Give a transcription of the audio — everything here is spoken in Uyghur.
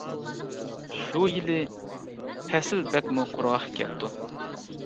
شۇ يىلى پەسىل بەكمۇ قۇرغاق كەپتۇ.